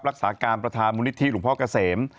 รักษาการประธานมูลนิธิหลวงพ่อเกษม